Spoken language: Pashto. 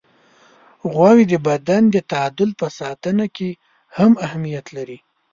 غوږ د بدن د تعادل په ساتنه کې هم اهمیت لري.